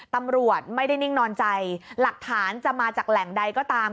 ตำรวจไม่ได้นิ่งนอนใจหลักฐานจะมาจากแหล่งใดก็ตาม